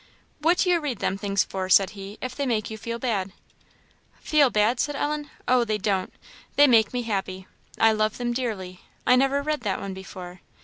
"What do you read them things for," said he, "if they make you feel bad?" "Feel bad!" said Ellen. "Oh, they don't; they make me happy; I love them dearly. I never read that one before.